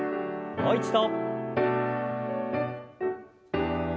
もう一度。